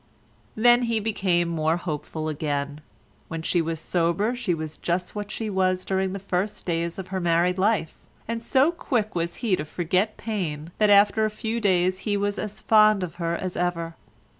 Then he became more hopeful again. When she was sober she was just what she was during the first days of her married life, and so quick was he to forget pain, that after a few days he was as fond of her as ever.